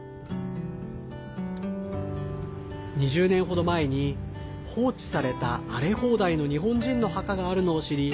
２０年程前に放置された荒れ放題の日本人の墓があるのを知り